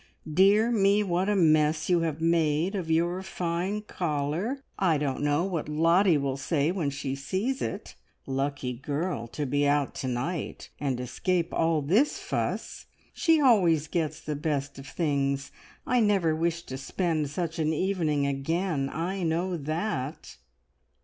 Dear me, what a mess you have made of your fine collar! I don't know what Lottie will say when she sees it. Lucky girl to be out to night and escape all this fuss! She always gets the best of things. I never wish to spend such an evening again, I know that!"